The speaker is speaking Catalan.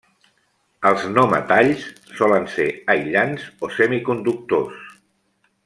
Els no-metalls solen ser aïllants o semiconductors.